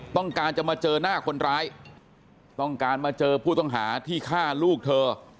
ต้องการจะมาเจอหน้าคนร้ายต้องการมาเจอผู้ต้องหาที่ฆ่าลูกเธอ